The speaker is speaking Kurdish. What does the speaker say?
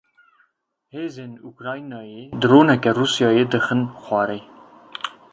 Hêzên Ukraynayê droneke Rûsyayê dixin xwarê.